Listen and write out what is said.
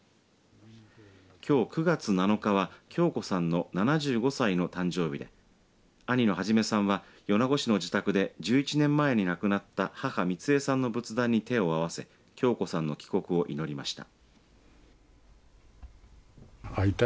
きょう９月７日は京子さんの７５歳の誕生日で兄の孟さんは米子市の自宅で１１年前に亡くなった母、三江さんの仏壇に手を合わせ京子さんの帰国を祈りました。